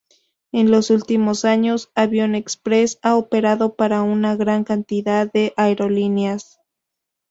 En los últimos años, Avion Express ha operado para una gran cantidad de aerolíneas.